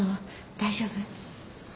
大丈夫？